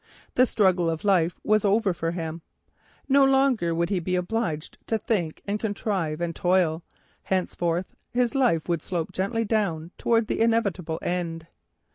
The struggle of life was over for him. No longer would he be obliged to think, and contrive, and toil; henceforth his days would slope gently down towards the inevitable end.